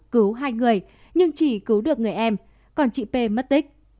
cứu hai người nhưng chỉ cứu được người em còn chị p mất tích